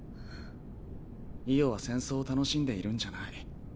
イオは戦争を楽しんでいるんじゃない。